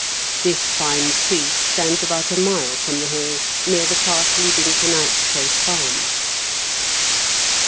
This fine tree stands about a . mile from the Hall, near the path leading to Knight's Place Farm.